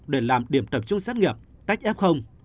để làm điểm tập trung xét nghiệm tách f